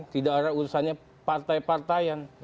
tidak ada urusannya partai partaian